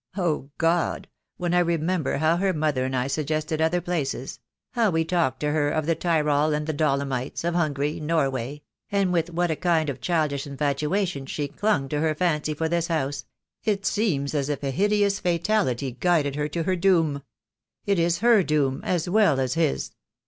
Oh, God, when I remember how her mother and I suggested other places — how we talked to her of the Tyrol and the Dolomites, of Hungary, Norway — and with what a kind of childish infatuation she clung to her fancy for this house, it seems as if a hideous fatality guided her to her doom. It is her doom, as well as his.